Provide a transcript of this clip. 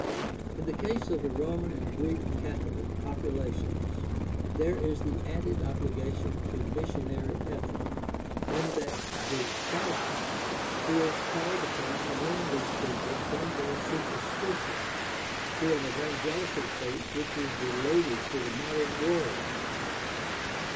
In the case of the Roman and Greek Catholic populations there is the added obligation to missionary effort, in that the Protestant feels called upon to win these people from their superstitions to an evangelical faith which is related to the modern world.